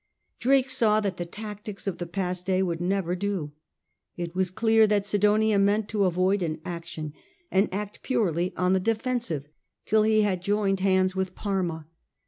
Drake saw that the tactics of the past day would never do. It was clear that Sidonia meant to avoid an action, and act purely on the defen sive till he had joined hands with Parma.